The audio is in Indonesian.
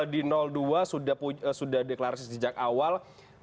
di dua sudah deklarasi sejak awal